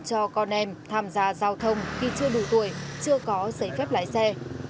cho con em tham gia giao thông khi chưa đủ tuổi chưa có giấy phép lái xe